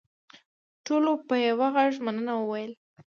ټولو په یوه غږ مننه وویل.